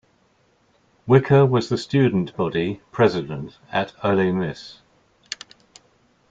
Wicker was the student body president at Ole Miss.